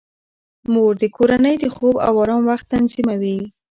مور د کورنۍ د خوب او آرام وخت تنظیموي.